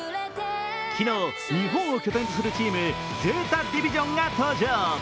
昨日、日本を拠点とするチームＺＥＴＡＤＩＶＩＳＩＯＮが登場。